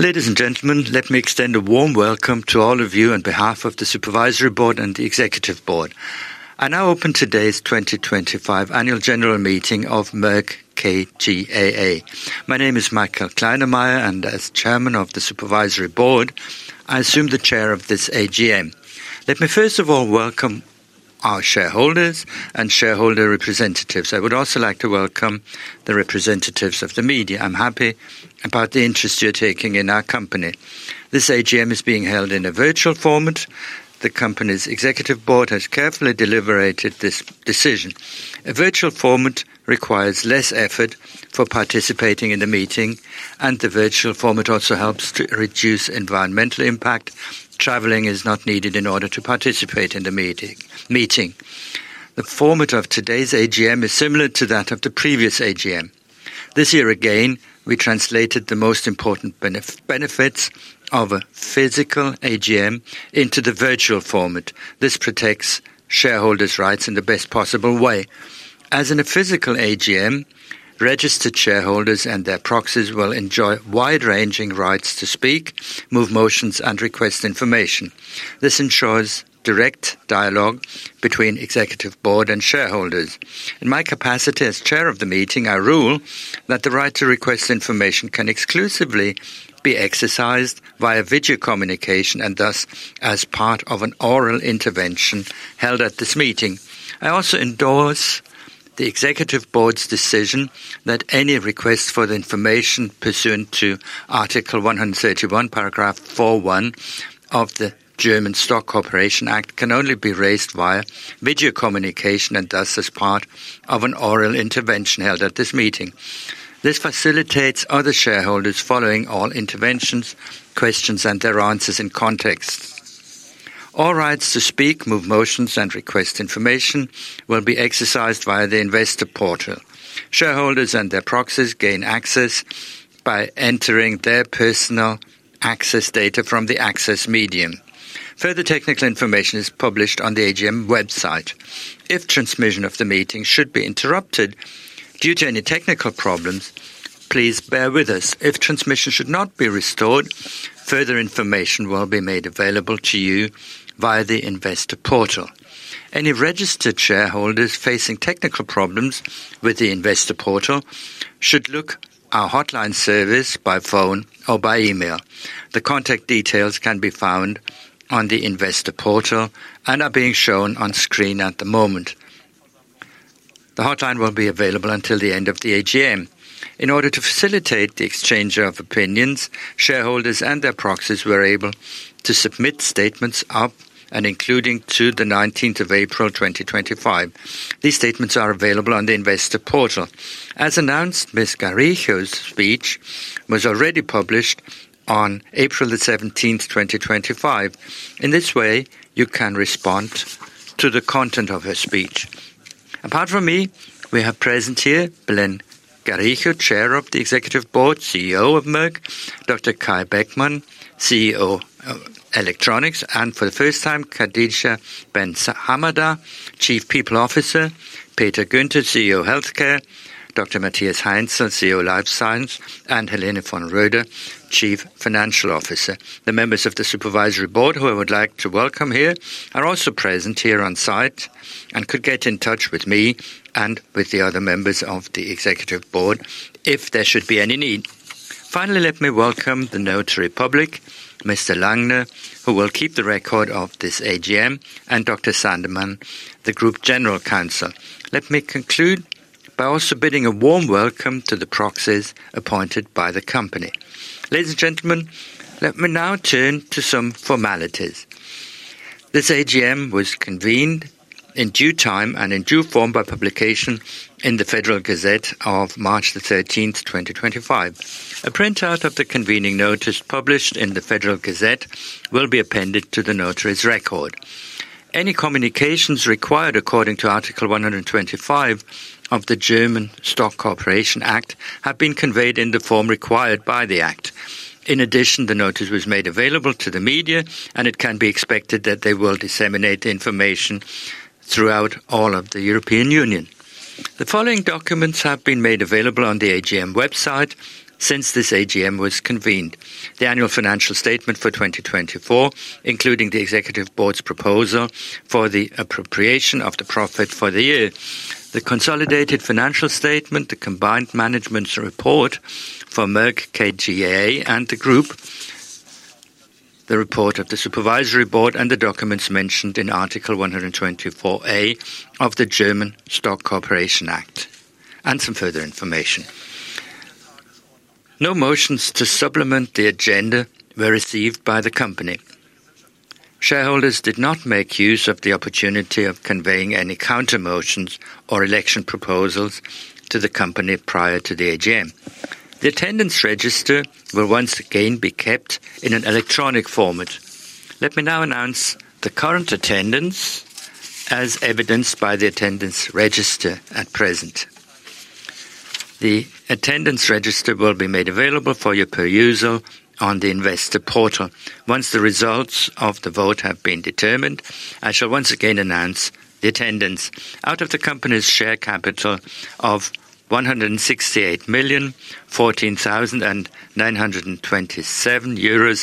Ladies and gentlemen, let me extend a warm welcome to all of you on behalf of the Supervisory Board and the Executive Board. I now open today's 2025 Annual General Meeting of Merck KGaA. My name is Michael Kleinemeier, and as Chairman of the Supervisory Board, I assume the chair of this AGM. Let me first of all welcome our shareholders and shareholder representatives. I would also like to welcome the representatives of the media. I'm happy about the interest you're taking in our company. This AGM is being held in a virtual format. The company's Executive Board has carefully deliberated this decision. A virtual format requires less effort for participating in the meeting, and the virtual format also helps to reduce environmental impact. Traveling is not needed in order to participate in the meeting. The format of today's AGM is similar to that of the previous AGM. This year again, we translated the most important benefits of a physical AGM into the virtual format. This protects shareholders' rights in the best possible way. As in a physical AGM, registered shareholders and their proxies will enjoy wide-ranging rights to speak, move motions, and request information. This ensures direct dialogue between the Executive Board and shareholders. In my capacity as Chair of the meeting, I rule that the right to request information can exclusively be exercised via video communication and thus as part of an oral intervention held at this meeting. I also endorse the Executive Board's decision that any request for the information pursuant to Article 131, Paragraph 4.1 of the German Stock Corporation Act can only be raised via video communication and thus as part of an oral intervention held at this meeting. This facilitates other shareholders following all interventions, questions, and their answers in context. All rights to speak, move motions, and request information will be exercised via the investor portal. Shareholders and their proxies gain access by entering their personal access data from the access medium. Further technical information is published on the AGM website. If transmission of the meeting should be interrupted due to any technical problems, please bear with us. If transmission should not be restored, further information will be made available to you via the investor portal. Any registered shareholders facing technical problems with the investor portal should look at our hotline service by phone or by email. The contact details can be found on the investor portal and are being shown on screen at the moment. The hotline will be available until the end of the AGM. In order to facilitate the exchange of opinions, shareholders and their proxies were able to submit statements up and including to the 19th of April 2025. These statements are available on the investor portal. As announced, Ms. Garijo's speech was already published on April 17th, 2025. In this way, you can respond to the content of her speech. Apart from me, we have present here Belén Garijo, Chair of the Executive Board, CEO of Merck KGaA; Dr. Kai Beckmann, CEO Electronics; and for the first time, Khadija Benhamada, Chief People Officer; Peter Guenter, CEO Healthcare; Dr. Matthias Heinzel, CEO Life Science; and Helene von Roeder, Chief Financial Officer. The members of the Supervisory Board who I would like to welcome here are also present here on site and could get in touch with me and with the other members of the Executive Board if there should be any need. Finally, let me welcome the notary public, Mr. Langner, who will keep the record of this AGM, and Dr. Sandermann, the Group General Counsel. Let me conclude by also bidding a warm welcome to the proxies appointed by the company. Ladies and gentlemen, let me now turn to some formalities. This AGM was convened in due time and in due form by publication in the Federal Gazette of March 13th, 2025. A printout of the convening notice published in the Federal Gazette will be appended to the notary's record. Any communications required according to Article 125 of the German Stock Corporation Act have been conveyed in the form required by the Act. In addition, the notice was made available to the media, and it can be expected that they will disseminate the information throughout all of the European Union. The following documents have been made available on the AGM website since this AGM was convened: the Annual Financial Statement for 2024, including the Executive Board's proposal for the appropriation of the profit for the year; the Consolidated Financial Statement, the Combined Management Report for Merck KGaA and the Group; the report of the Supervisory Board; and the documents mentioned in Article 124A of the German Stock Corporation Act, and some further information. No motions to supplement the agenda were received by the company. Shareholders did not make use of the opportunity of conveying any countermotions or election proposals to the company prior to the AGM. The attendance register will once again be kept in an electronic format. Let me now announce the current attendance as evidenced by the attendance register at present. The attendance register will be made available for you per user on the investor portal. Once the results of the vote have been determined, I shall once again announce the attendance. Out of the company's share capital of 168,014,927.60 euros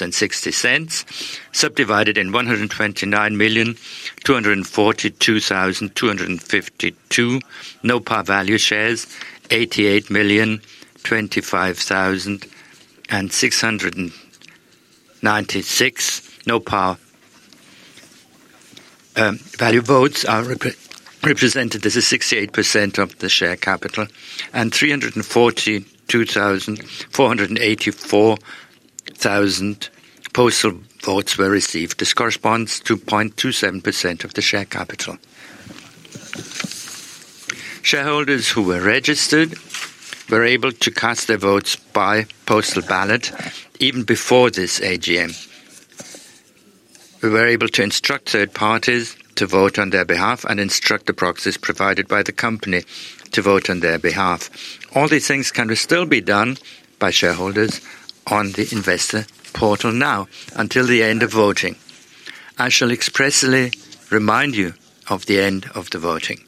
subdivided in 129,242,252 no par value shares, 88,025,696 no par value votes are represented as 68% of the share capital, and 342,484,000 postal votes were received. This corresponds to 0.27% of the share capital. Shareholders who were registered were able to cast their votes by postal ballot even before this AGM. We were able to instruct third parties to vote on their behalf and instruct the proxies provided by the company to vote on their behalf. All these things can still be done by shareholders on the investor portal now until the end of voting. I shall expressly remind you of the end of the voting.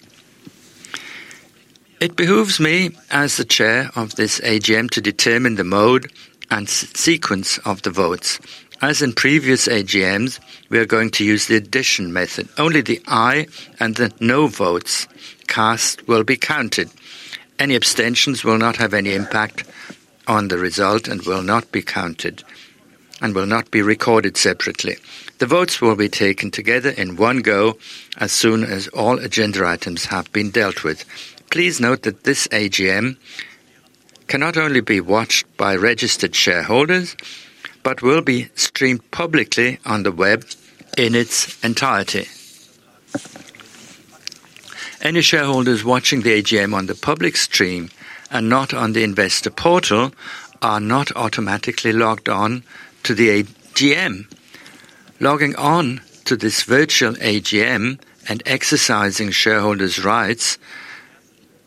It behooves me as the Chair of this AGM to determine the mode and sequence of the votes. As in previous AGMs, we are going to use the addition method. Only the "yes" and the "no" votes cast will be counted. Any abstentions will not have any impact on the result and will not be counted and will not be recorded separately. The votes will be taken together in one go as soon as all agenda items have been dealt with. Please note that this AGM cannot only be watched by registered shareholders but will be streamed publicly on the web in its entirety. Any shareholders watching the AGM on the public stream and not on the investor portal are not automatically logged on to the AGM. Logging on to this virtual AGM and exercising shareholders' rights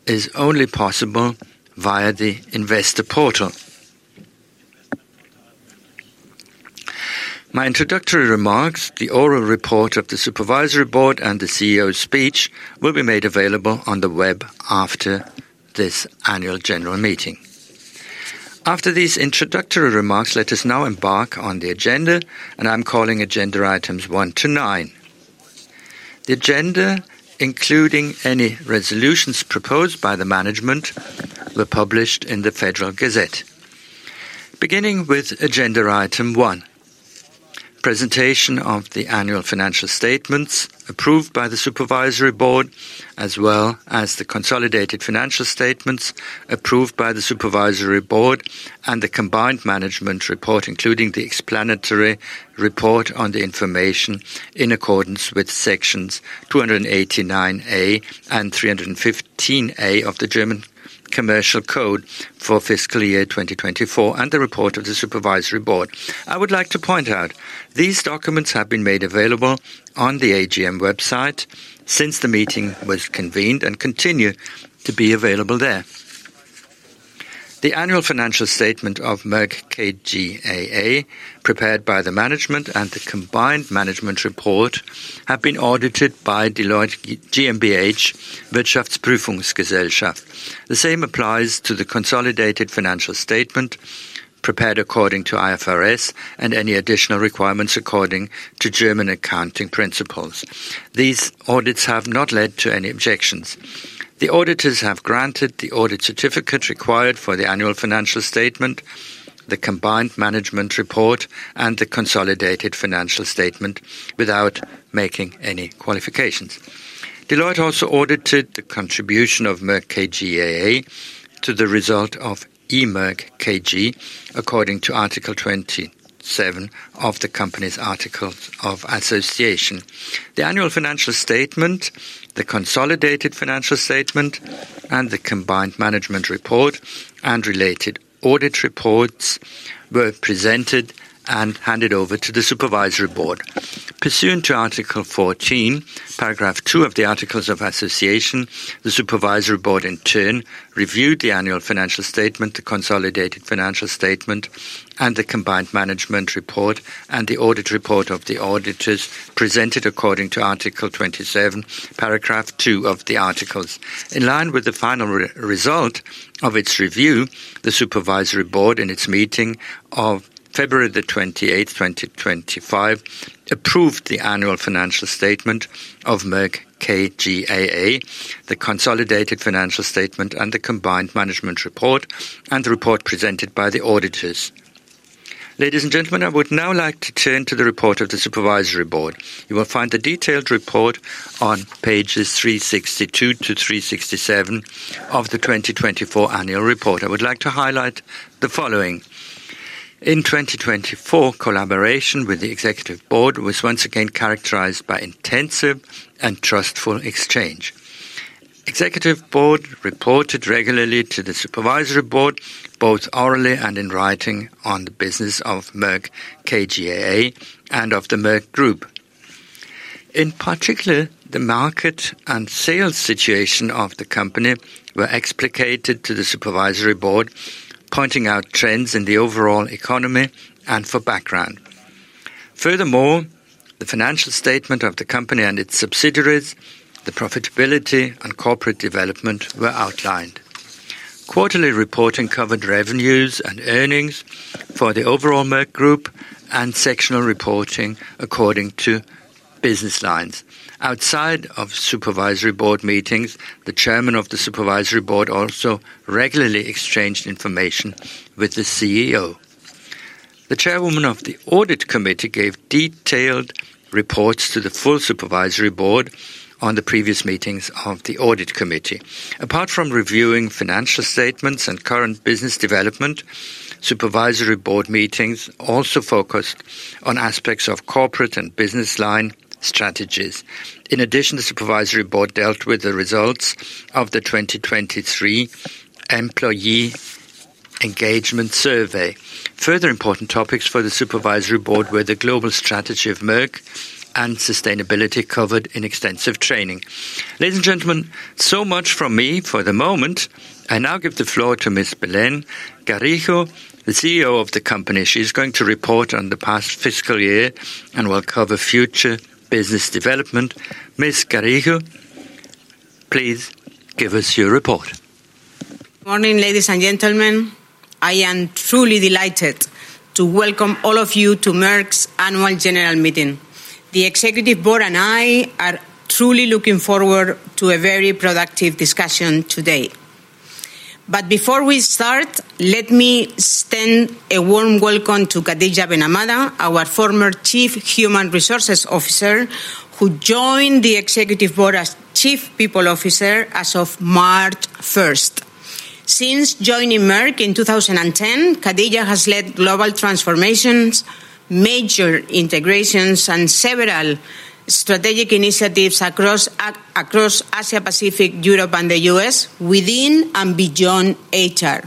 is only possible via the investor portal. My introductory remarks, the oral report of the Supervisory Board, and the CEO's speech will be made available on the web after this Annual General Meeting. After these introductory remarks, let us now embark on the agenda, and I'm calling agenda items one to nine. The agenda, including any resolutions proposed by the management, were published in the Federal Gazette. Beginning with agenda item one, presentation of the Annual Financial Statements approved by the Supervisory Board, as well as the Consolidated Financial Statements approved by the Supervisory Board and the Combined Management Report, including the explanatory report on the information in accordance with sections 289A and 315A of the German Commercial Code for fiscal year 2024 and the report of the Supervisory Board. I would like to point out these documents have been made available on the AGM website since the meeting was convened and continue to be available there. The Annual Financial Statement of Merck KGaA, prepared by the management, and the Combined Management Report have been audited by Deloitte GmbH, Wirtschaftsprüfungsgesellschaft. The same applies to the Consolidated Financial Statement prepared according to IFRS and any additional requirements according to German accounting principles. These audits have not led to any objections. The auditors have granted the audit certificate required for the Annual Financial Statement, the Combined Management Report, and the Consolidated Financial Statement without making any qualifications. Deloitte also audited the contribution of Merck KGaA to the result of E. Merck KG according to Article 27 of the company's Articles of Association. The Annual Financial Statement, the Consolidated Financial Statement, and the Combined Management Report and related audit reports were presented and handed over to the Supervisory Board. Pursuant to Article 14, Paragraph 2 of the Articles of Association, the Supervisory Board in turn reviewed the Annual Financial Statement, the Consolidated Financial Statement, and the Combined Management Report, and the audit report of the auditors presented according to Article 27, Paragraph two of the Articles. In line with the final result of its review, the Supervisory Board in its meeting of February 28th, 2025, approved the Annual Financial Statement of Merck KGaA, the Consolidated Financial Statement, and the Combined Management Report, and the report presented by the auditors. Ladies and gentlemen, I would now like to turn to the report of the Supervisory Board. You will find the detailed report on pages 362 to 367 of the 2024 Annual Report. I would like to highlight the following. In 2024, collaboration with the Executive Board was once again characterized by intensive and trustful exchange. The Executive Board reported regularly to the Supervisory Board, both orally and in writing, on the business of Merck KGaA and of the Merck Group. In particular, the market and sales situation of the company were explicated to the Supervisory Board, pointing out trends in the overall economy and for background. Furthermore, the financial statement of the company and its subsidiaries, the profitability, and corporate development were outlined. Quarterly reporting covered revenues and earnings for the overall Merck Group and sectional reporting according to business lines. Outside of Supervisory Board meetings, the Chairman of the Supervisory Board also regularly exchanged information with the CEO. The Chairwoman of the Audit Committee gave detailed reports to the full Supervisory Board on the previous meetings of the Audit Committee. Apart from reviewing financial statements and current business development, Supervisory Board meetings also focused on aspects of corporate and business line strategies. In addition, the Supervisory Board dealt with the results of the 2023 Employee Engagement Survey. Further important topics for the Supervisory Board were the global strategy of Merck and sustainability covered in extensive training. Ladies and gentlemen, so much from me for the moment. I now give the floor to Ms. Belén Garijo, the CEO of the company. She is going to report on the past fiscal year and will cover future business development. Ms. Garijo, please give us your report. Morning, ladies and gentlemen. I am truly delighted to welcome all of you to Merck's Annual General Meeting. The Executive Board and I are truly looking forward to a very productive discussion today. Before we start, let me extend a warm welcome to Khadija Benhamada, our former Chief Human Resources Officer, who joined the Executive Board as Chief People Officer as of March 1st. Since joining Merck in 2010, Khadija has led global transformations, major integrations, and several strategic initiatives across Asia-Pacific, Europe, and the U.S. within and beyond HR.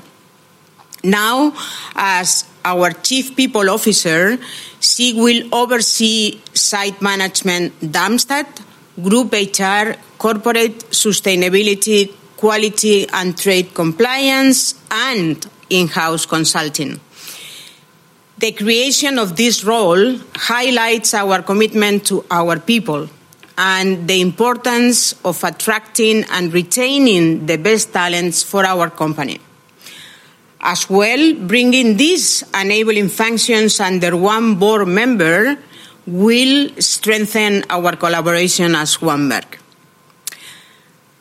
Now, as our Chief People Officer, she will oversee site management, Darmstadt, Group HR, corporate sustainability, quality, trade compliance, and in-house consulting. The creation of this role highlights our commitment to our people and the importance of attracting and retaining the best talents for our company. As well, bringing these enabling functions under one board member will strengthen our collaboration as one Merck.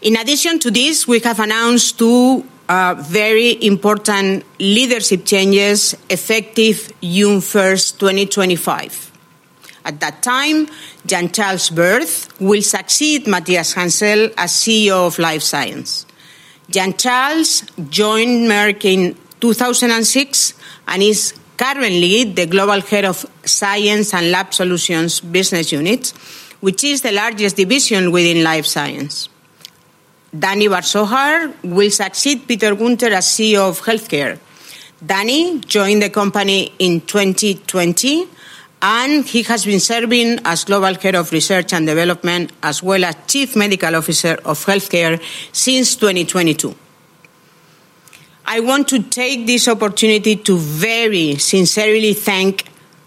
In addition to this, we have announced two very important leadership changes effective June 1st, 2025. At that time, Jean-Charles Wirth will succeed Matthias Heinzel as CEO of Life Science. Jean-Charles joined Merck in 2006 and is currently the Global Head of Science and Lab Solutions Business Unit, which is the largest division within Life Science. Danny Bar-Zohar will succeed Peter Guenter as CEO of Healthcare. Danny joined the company in 2020, and he has been serving as Global Head of Research and Development as well as Chief Medical Officer of Healthcare since 2022. I want to take this opportunity to very sincerely thank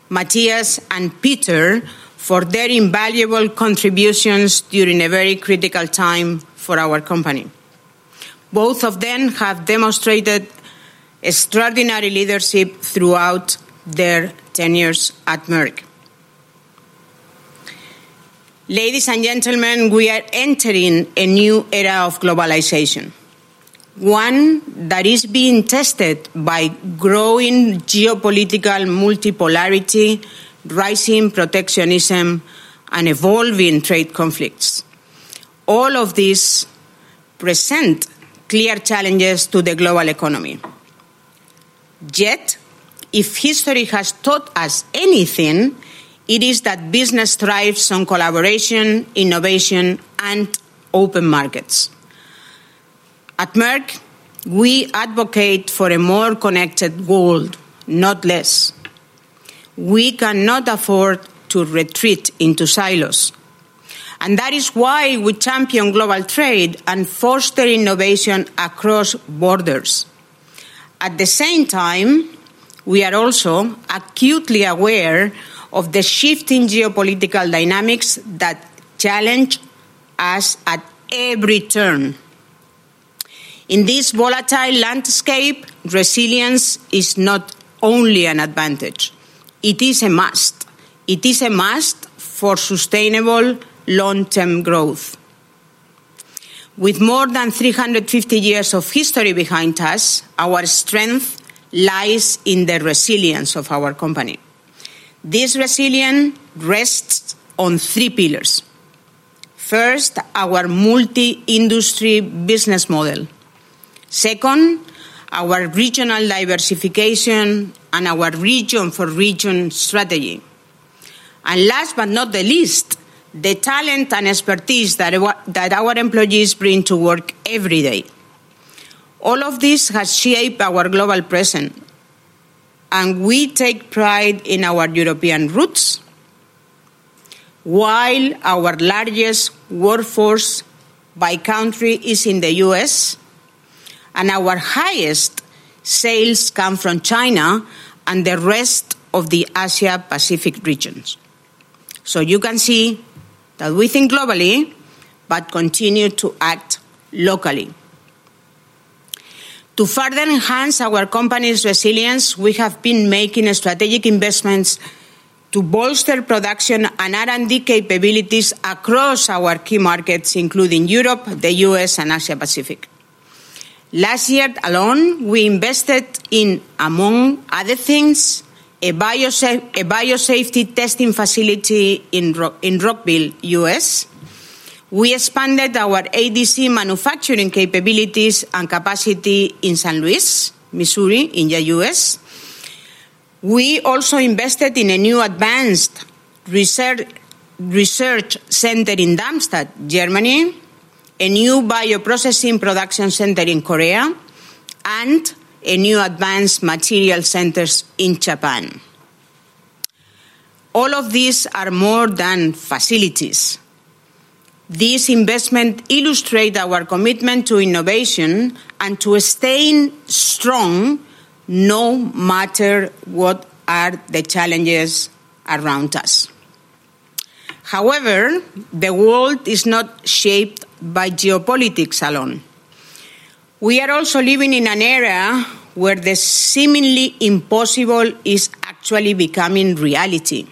Matthias and Peter for their invaluable contributions during a very critical time for our company. Both of them have demonstrated extraordinary leadership throughout their tenures at Merck. Ladies and gentlemen, we are entering a new era of globalization, one that is being tested by growing geopolitical multipolarity, rising protectionism, and evolving trade conflicts. All of these present clear challenges to the global economy. Yet, if history has taught us anything, it is that business thrives on collaboration, innovation, and open markets. At Merck we advocate for a more connected world, not less. We cannot afford to retreat into silos. That is why we champion global trade and foster innovation across borders. At the same time, we are also acutely aware of the shifting geopolitical dynamics that challenge us at every turn. In this volatile landscape, resilience is not only an advantage. It is a must. It is a must for sustainable long-term growth. With more than 350 years of history behind us, our strength lies in the resilience of our company. This resilience rests on three pillars. First, our multi-industry business model. Second, our regional diversification and our region-for-region strategy. Last but not least, the talent and expertise that our employees bring to work every day. All of this has shaped our global presence, and we take pride in our European roots. While our largest workforce by country is in the U.S., our highest sales come from China and the rest of the Asia-Pacific regions. You can see that we think globally but continue to act locally. To further enhance our company's resilience, we have been making strategic investments to bolster production and R&D capabilities across our key markets, including Europe, the U.S., and Asia-Pacific. Last year alone, we invested in, among other things, a biosafety testing facility in Rockville, U.S. We expanded our ADC manufacturing capabilities and capacity in St. Louis, Missouri, in the U.S. We also invested in a new advanced research center in Darmstadt, Germany, a new bioprocessing production center in Korea, and a new advanced materials center in Japan. All of these are more than facilities. These investments illustrate our commitment to innovation and to staying strong, no matter what the challenges around us are. However, the world is not shaped by geopolitics alone. We are also living in an era where the seemingly impossible is actually becoming reality.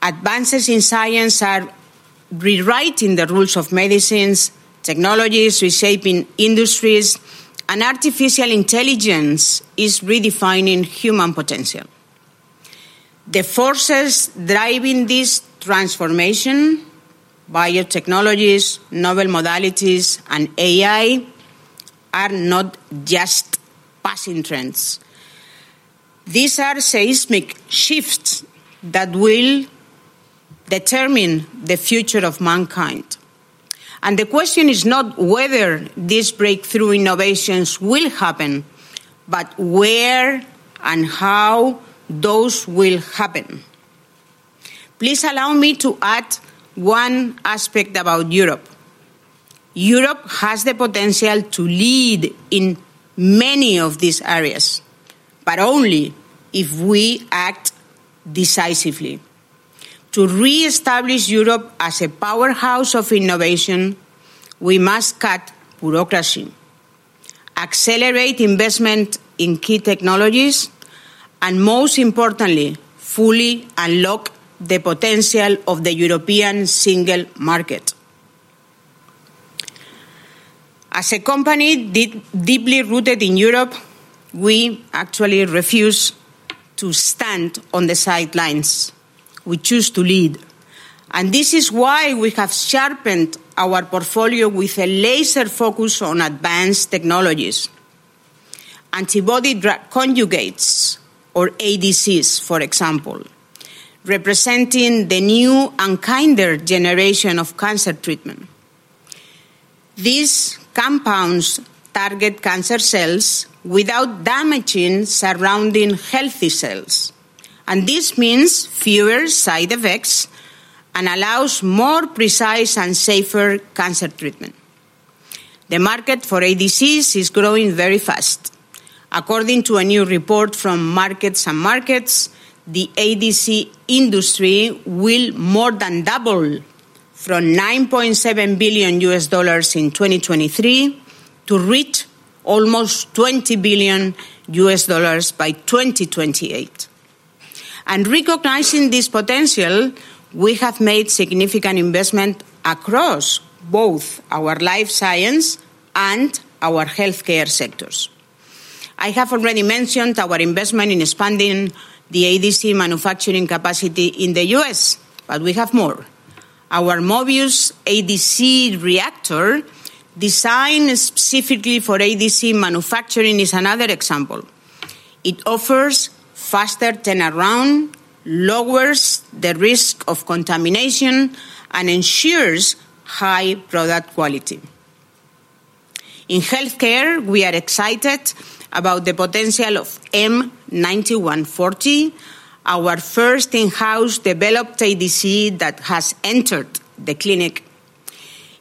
Advances in science are rewriting the rules of medicines, technologies reshaping industries, and artificial intelligence is redefining human potential. The forces driving this transformation, biotechnologies, novel modalities, and AI, are not just passing trends. These are seismic shifts that will determine the future of mankind. The question is not whether these breakthrough innovations will happen, but where and how those will happen. Please allow me to add one aspect about Europe. Europe has the potential to lead in many of these areas, but only if we act decisively. To reestablish Europe as a powerhouse of innovation, we must cut bureaucracy, accelerate investment in key technologies, and most importantly, fully unlock the potential of the European single market. As a company deeply rooted in Europe, we actually refuse to stand on the sidelines. We choose to lead. This is why we have sharpened our portfolio with a laser focus on advanced technologies. Antibody-drug conjugates, or ADCs, for example, represent the new and kinder generation of cancer treatment. These compounds target cancer cells without damaging surrounding healthy cells. This means fewer side effects and allows more precise and safer cancer treatment. The market for ADCs is growing very fast. According to a new report from Markets and Markets, the ADC industry will more than double from $9.7 billion in 2023 to reach almost $20 billion by 2028. Recognizing this potential, we have made significant investments across both our Life Science and our Healthcare sectors. I have already mentioned our investment in expanding the ADC manufacturing capacity in the U.S., but we have more. Our Mobius ADC reactor, designed specifically for ADC manufacturing, is another example. It offers faster turnaround, lowers the risk of contamination, and ensures high product quality. In Healthcare, we are excited about the potential of M9140, our first in-house developed ADC that has entered the clinic.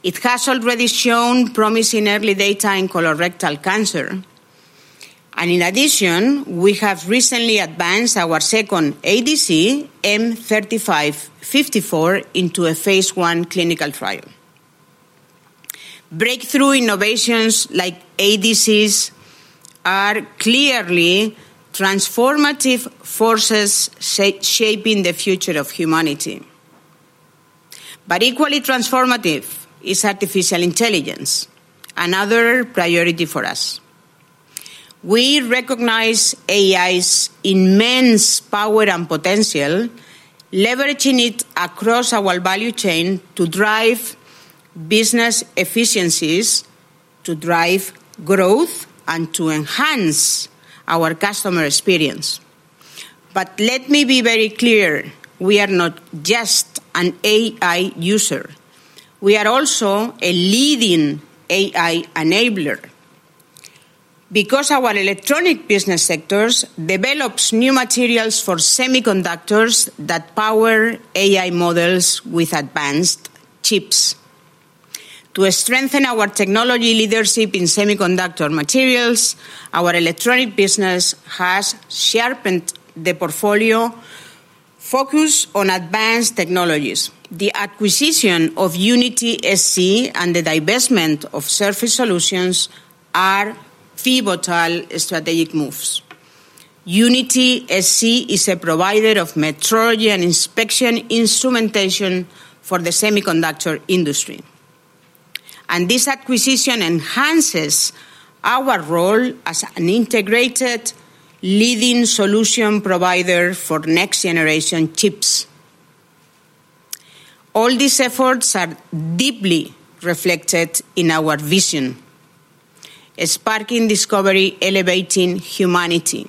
It has already shown promising early data in colorectal cancer. In addition, we have recently advanced our second ADC, M3554, into a phase I clinical trial. Breakthrough innovations like ADCs are clearly transformative forces shaping the future of humanity. Equally transformative is artificial intelligence, another priority for us. We recognize AI's immense power and potential, leveraging it across our value chain to drive business efficiencies, to drive growth, and to enhance our customer experience. Let me be very clear. We are not just an AI user. We are also a leading AI enabler because our Electronics business sector develops new materials for semiconductors that power AI models with advanced chips. To strengthen our technology leadership in semiconductor materials, our Electronics business has sharpened the portfolio focused on advanced technologies. The acquisition of Unity SC and the divestment of Surface Solutions are pivotal strategic moves. Unity SC is a provider of metrology and inspection instrumentation for the semiconductor industry. This acquisition enhances our role as an integrated leading solution provider for next-generation chips. All these efforts are deeply reflected in our vision: sparking discovery, elevating humanity.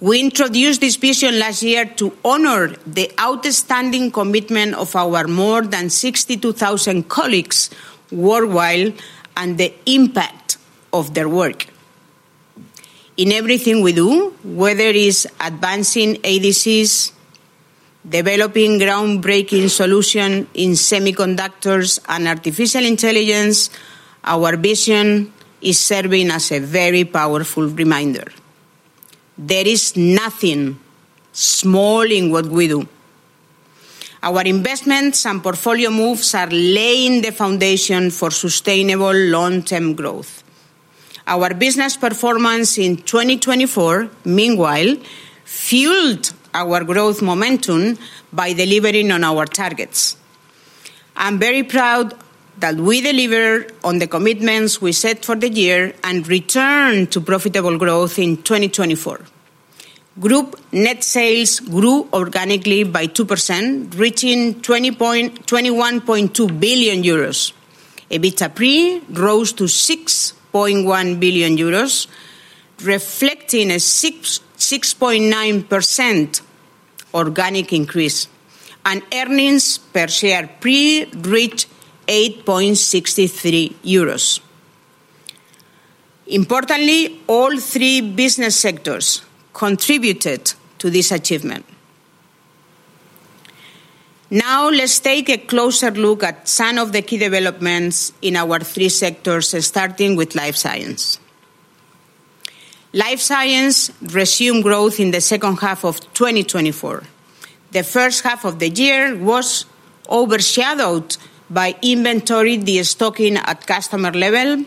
We introduced this vision last year to honor the outstanding commitment of our more than 62,000 colleagues worldwide and the impact of their work. In everything we do, whether it is advancing ADCs, developing groundbreaking solutions in semiconductors and artificial intelligence, our vision is serving as a very powerful reminder. There is nothing small in what we do. Our investments and portfolio moves are laying the foundation for sustainable long-term growth. Our business performance in 2024, meanwhile, fueled our growth momentum by delivering on our targets. I'm very proud that we deliver on the commitments we set for the year and return to profitable growth in 2024. Group net sales grew organically by 2%, reaching 21.2 billion euros. EBITDA pre grew to 6.1 billion euros, reflecting a 6.9% organic increase, and earnings per share pre grew to 8.63 euros. Importantly, all three business sectors contributed to this achievement. Now, let's take a closer look at some of the key developments in our three sectors, starting with Life Science. Life Science resumed growth in the second half of 2024. The first half of the year was overshadowed by inventory de-stocking at customer level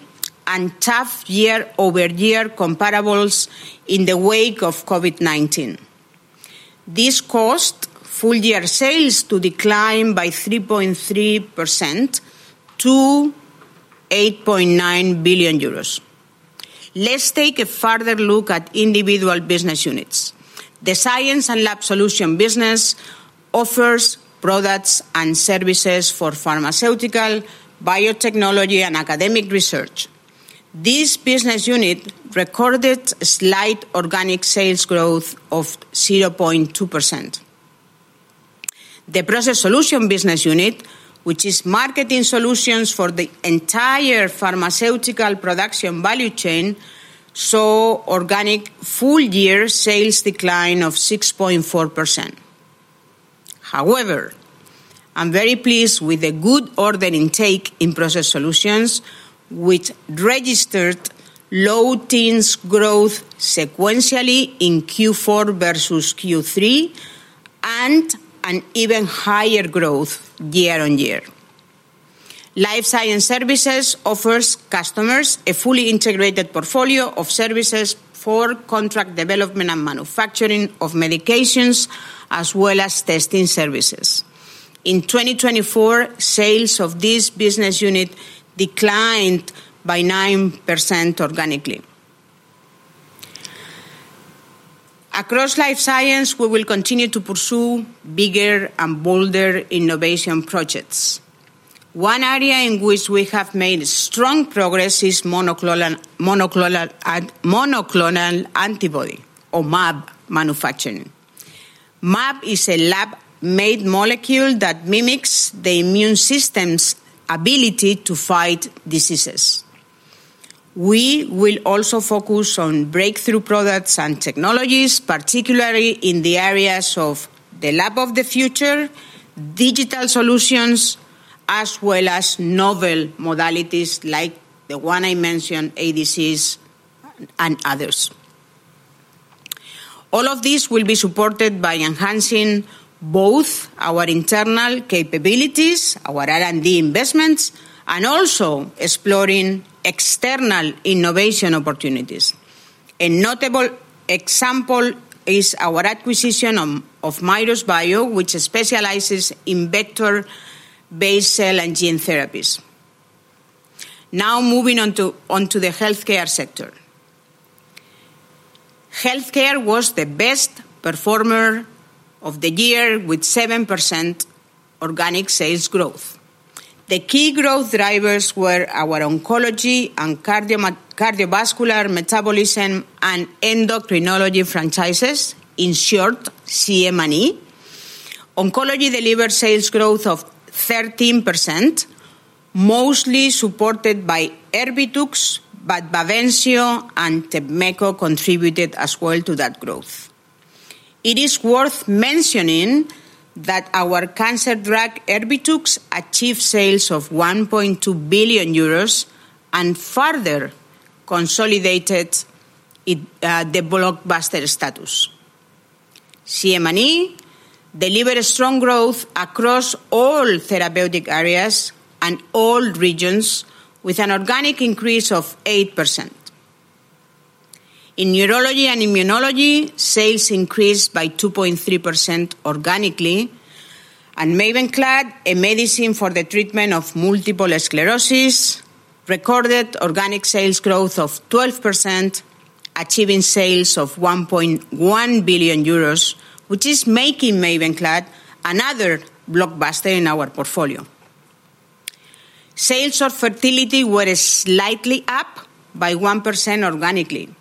and tough year-over-year comparables in the wake of COVID-19. This caused full-year sales to decline by 3.3% to 8.9 billion euros. Let's take a further look at individual business units. The Science and Lab Solutions business offers products and services for pharmaceutical, biotechnology, and academic research. This business unit recorded a slight organic sales growth of 0.2%. The Process Solutions business unit, which is marketing solutions for the entire pharmaceutical production value chain, saw organic full-year sales decline of 6.4%. However, I'm very pleased with the good order intake in Process Solutions, which registered low teens growth sequentially in Q4 versus Q3 and an even higher growth year on year. Life Science Services offers customers a fully integrated portfolio of services for contract development and manufacturing of medications, as well as testing services. In 2024, sales of this business unit declined by 9% organically. Across Life Science, we will continue to pursue bigger and bolder innovation projects. One area in which we have made strong progress is monoclonal antibody, or MAB, manufacturing. MAB is a lab-made molecule that mimics the immune system's ability to fight diseases. We will also focus on breakthrough products and technologies, particularly in the areas of the lab of the future, digital solutions, as well as novel modalities like the one I mentioned, ADCs, and others. All of this will be supported by enhancing both our internal capabilities, our R&D investments, and also exploring external innovation opportunities. A notable example is our acquisition of MYROS Bio, which specializes in vector-based cell and gene therapies. Now moving on to the healthcare sector. Healthcare was the best performer of the year with 7% organic sales growth. The key growth drivers were our oncology and cardiovascular metabolism and endocrinology franchises, in short, CM&E. Oncology delivered sales growth of 13%, mostly supported by Erbitux, but Bavencio and Tepmetko contributed as well to that growth. It is worth mentioning that our cancer drug Erbitux achieved sales of 1.2 billion euros and further consolidated the blockbuster status. CM&E delivered strong growth across all therapeutic areas and all regions with an organic increase of 8%. In neurology and immunology, sales increased by 2.3% organically, and Mavenclad, a medicine for the treatment of multiple sclerosis, recorded organic sales growth of 12%, achieving sales of 1.1 billion euros, which is making Mavenclad another blockbuster in our portfolio. Sales of fertility were slightly up by 1% organically.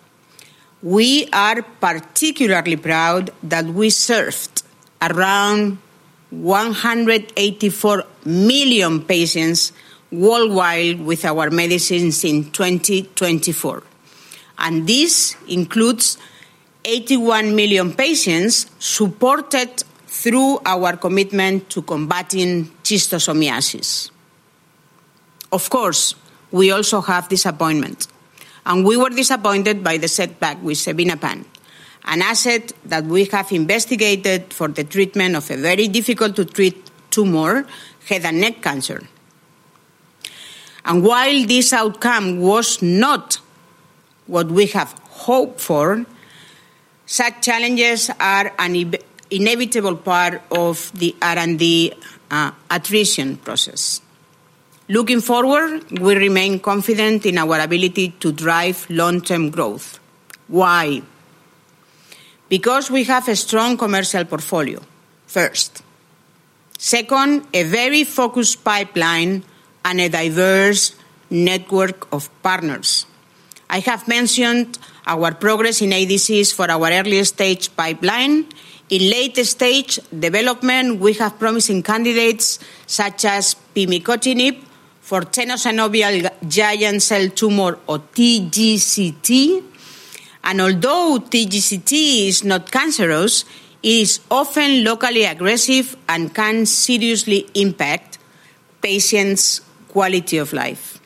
We are particularly proud that we served around 184 million patients worldwide with our medicines in 2024. This includes 81 million patients supported through our commitment to combating cystosomiasis. Of course, we also have disappointment. We were disappointed by the setback with Xevinapant, an asset that we have investigated for the treatment of a very difficult-to-treat tumor, head and neck cancer. While this outcome was not what we have hoped for, such challenges are an inevitable part of the R&D attrition process. Looking forward, we remain confident in our ability to drive long-term growth. Why? Because we have a strong commercial portfolio, first. Second, a very focused pipeline and a diverse network of partners. I have mentioned our progress in ADCs for our early-stage pipeline. In late-stage development, we have promising candidates such as Pimicotinib for tenosynovial giant cell tumor, or TGCT. Although TGCT is not cancerous, it is often locally aggressive and can seriously impact patients' quality of life.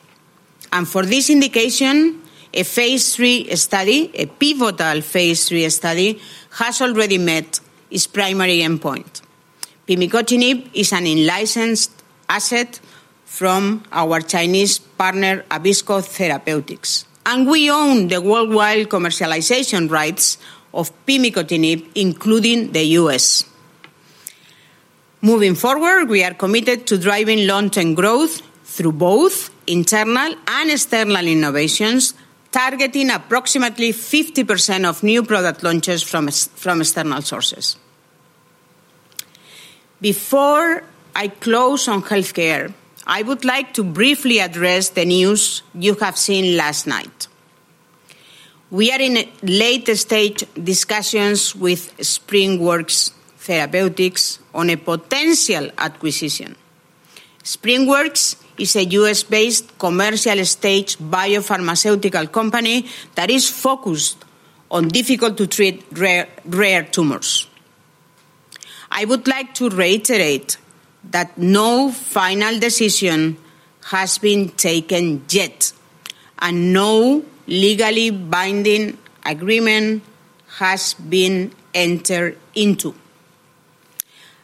For this indication, a phase III study, a pivotal phase III study, has already met its primary endpoint. Pimicotinib is an in-licensed asset from our Chinese partner, Abbisko Therapeutics. We own the worldwide commercialization rights of Pimicotinib, including the U.S. Moving forward, we are committed to driving long-term growth through both internal and external innovations, targeting approximately 50% of new product launches from external sources. Before I close on Healthcare, I would like to briefly address the news you have seen last night. We are in late-stage discussions with SpringWorks Therapeutics on a potential acquisition. SpringWorks is a U.S.-based commercial-stage biopharmaceutical company that is focused on difficult-to-treat rare tumors. I would like to reiterate that no final decision has been taken yet, and no legally binding agreement has been entered into.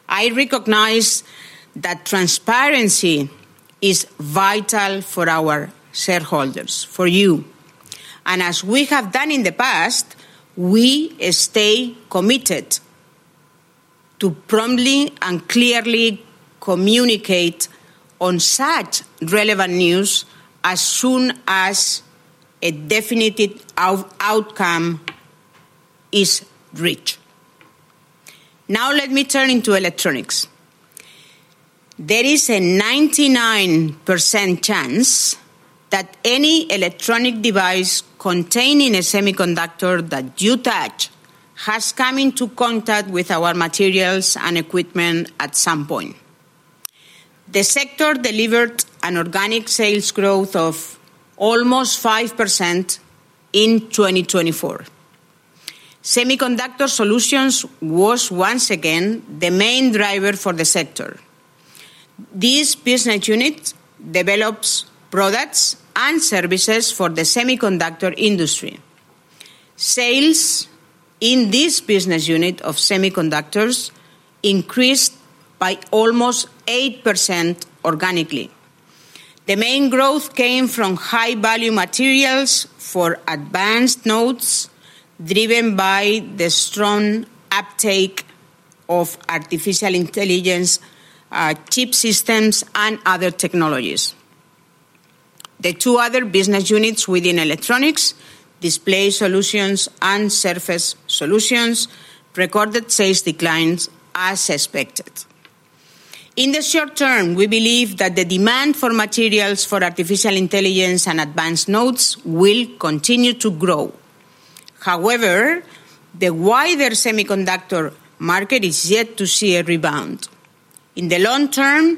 I recognize that transparency is vital for our shareholders, for you. As we have done in the past, we stay committed to promptly and clearly communicate on such relevant news as soon as a definitive outcome is reached. Now, let me turn to Electronics. There is a 99% chance that any electronic device containing a semiconductor that you touch has come into contact with our materials and equipment at some point. The sector delivered an organic sales growth of almost 5% in 2024. Semiconductor Solutions was once again the main driver for the sector. This business unit develops products and services for the semiconductor industry. Sales in this business unit of semiconductors increased by almost 8% organically. The main growth came from high-value materials for advanced nodes driven by the strong uptake of artificial intelligence, chip systems, and other technologies. The two other business units within Electronics, Display Solutions and Surface Solutions, recorded sales declines as expected. In the short term, we believe that the demand for materials for artificial intelligence and advanced nodes will continue to grow. However, the wider semiconductor market is yet to see a rebound. In the long term,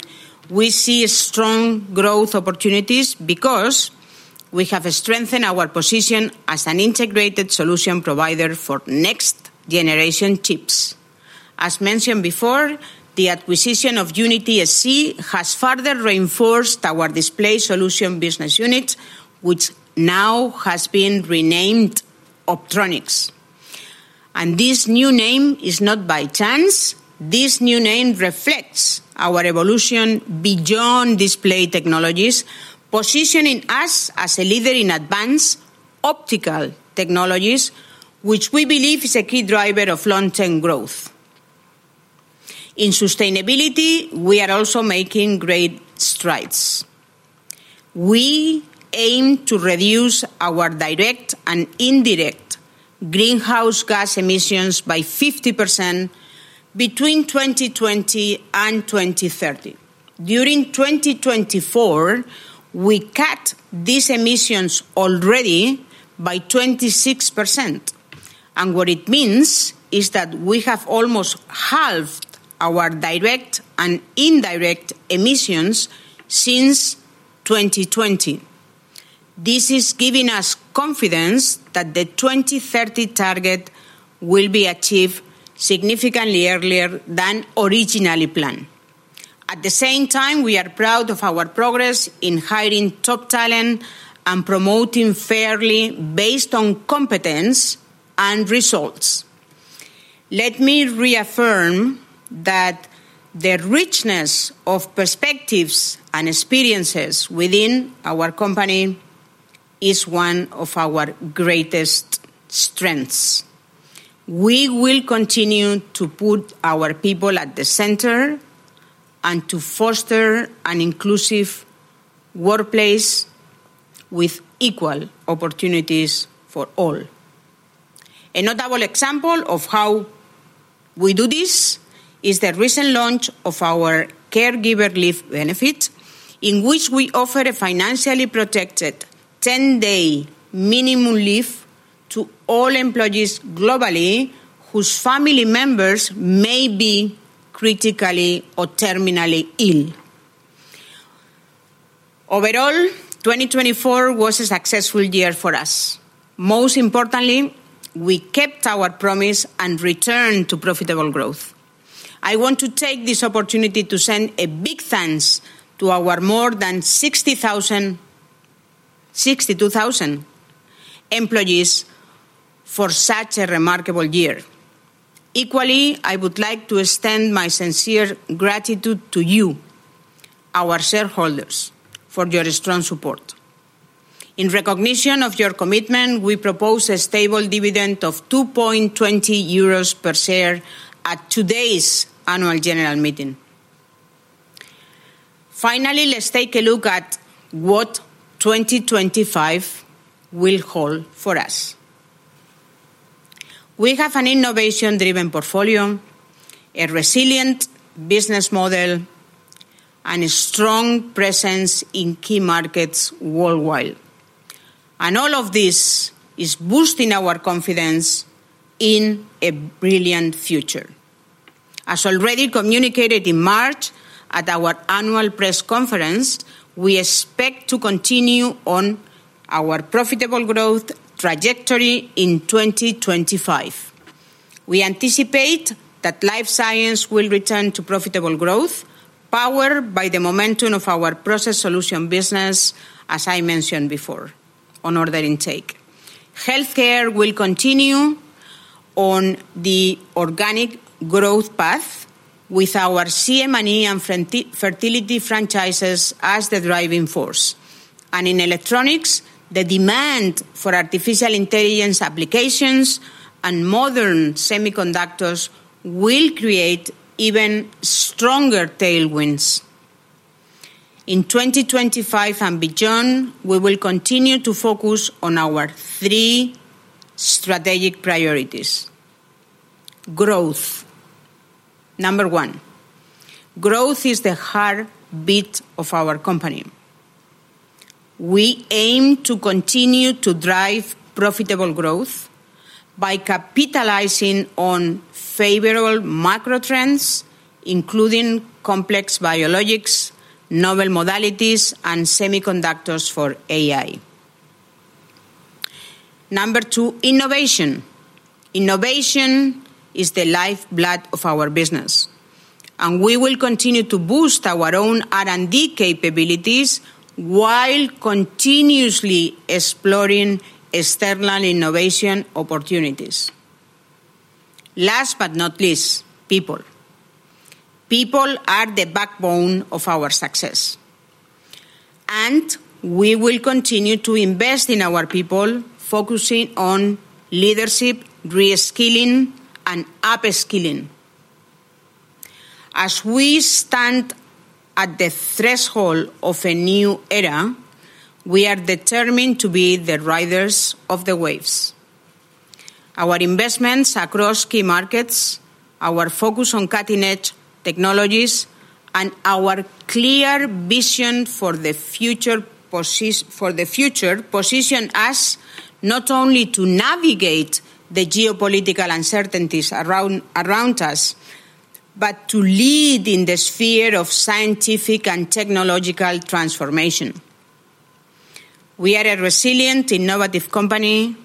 we see strong growth opportunities because we have strengthened our position as an integrated solution provider for next-generation chips. As mentioned before, the acquisition of Unity-SC has further reinforced our Display Solutions business unit, which now has been renamed Optronics. This new name is not by chance. This new name reflects our evolution beyond display technologies, positioning us as a leader in advanced optical technologies, which we believe is a key driver of long-term growth. In sustainability, we are also making great strides. We aim to reduce our direct and indirect greenhouse gas emissions by 50% between 2020 and 2030. During 2024, we cut these emissions already by 26%. What it means is that we have almost halved our direct and indirect emissions since 2020. This is giving us confidence that the 2030 target will be achieved significantly earlier than originally planned. At the same time, we are proud of our progress in hiring top talent and promoting fairly based on competence and results. Let me reaffirm that the richness of perspectives and experiences within our company is one of our greatest strengths. We will continue to put our people at the center and to foster an inclusive workplace with equal opportunities for all. A notable example of how we do this is the recent launch of our caregiver leave benefit, in which we offer a financially protected 10-day minimum leave to all employees globally whose family members may be critically or terminally ill. Overall, 2024 was a successful year for us. Most importantly, we kept our promise and returned to profitable growth. I want to take this opportunity to send a big thanks to our more than 62,000 employees for such a remarkable year. Equally, I would like to extend my sincere gratitude to you, our shareholders, for your strong support. In recognition of your commitment, we propose a stable dividend of 2.20 euros per share at today's Annual General Meeting. Finally, let's take a look at what 2025 will hold for us. We have an innovation-driven portfolio, a resilient business model, and a strong presence in key markets worldwide. All of this is boosting our confidence in a brilliant future. As already communicated in March at our annual press conference, we expect to continue on our profitable growth trajectory in 2025. We anticipate that Life Science will return to profitable growth, powered by the momentum of our Process Solution business, as I mentioned before, on order intake. Healthcare will continue on the organic growth path with our CM&E and Fertility franchises as the driving force. In Electronics, the demand for artificial intelligence applications and modern semiconductors will create even stronger tailwinds. In 2025 and beyond, we will continue to focus on our three strategic priorities. Growth. Number one, growth is the heartbeat of our company. We aim to continue to drive profitable growth by capitalizing on favorable macro trends, including complex biologics, novel modalities, and semiconductors for AI. Number two, innovation. Innovation is the lifeblood of our business. We will continue to boost our own R&D capabilities while continuously exploring external innovation opportunities. Last but not least, people. People are the backbone of our success. We will continue to invest in our people, focusing on leadership, reskilling, and upskilling. As we stand at the threshold of a new era, we are determined to be the riders of the waves. Our investments across key markets, our focus on cutting-edge technologies, and our clear vision for the future position us not only to navigate the geopolitical uncertainties around us, but to lead in the sphere of scientific and technological transformation. We are a resilient, innovative company.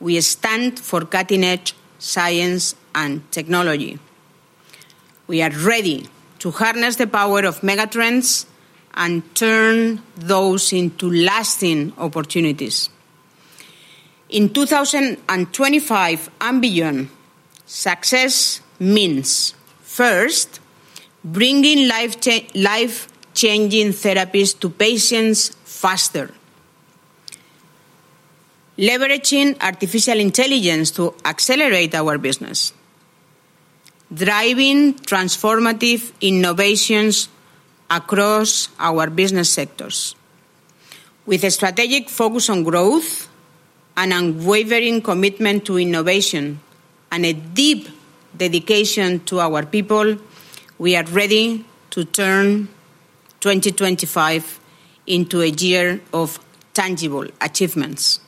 We stand for cutting-edge science and technology. We are ready to harness the power of megatrends and turn those into lasting opportunities. In 2025 and beyond, success means first, bringing life-changing therapies to patients faster, leveraging artificial intelligence to accelerate our business, driving transformative innovations across our business sectors. With a strategic focus on growth, an unwavering commitment to innovation, and a deep dedication to our people, we are ready to turn 2025 into a year of tangible achievements.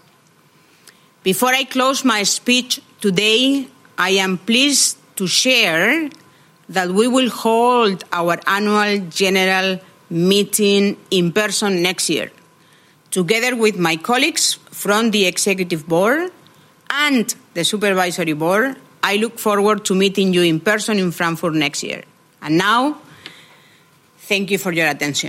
Before I close my speech today, I am pleased to share that we will hold our Annual General Meeting in person next year. Together with my colleagues from the Executive Board and the Supervisory Board, I look forward to meeting you in person in Frankfurt next year. Thank you for your attention.